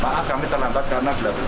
maaf kami terlambat karena beliau